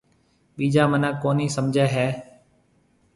ٻِيجا مِنک ڪونِي سمجهيَ هيَ۔